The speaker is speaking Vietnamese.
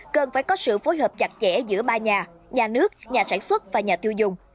cần phải có sự phối hợp chặt chẽ giữa ba nhà nhà nước nhà sản xuất và nhà tiêu dùng